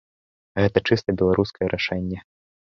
Гэта чыста беларускае рашэнне.